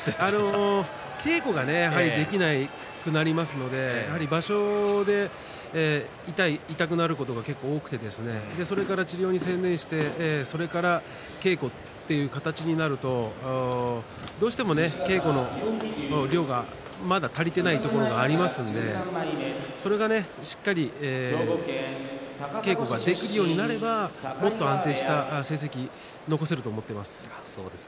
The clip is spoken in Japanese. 稽古がやはり、できなくなりますので場所で痛くなることは結構あるのでそれから治療に専念してそれから稽古という形になるとどうしても稽古の量がまだ足りてないところがありますのでそれがしっかり稽古ができるようになればもっと安定した成績残せると思っています。